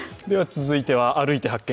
続いては「歩いて発見！